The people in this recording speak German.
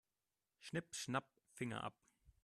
Schnipp-schnapp, Finger ab.